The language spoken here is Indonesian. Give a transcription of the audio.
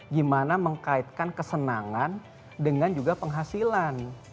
gimana mengkaitkan kesenangan dengan juga penghasilan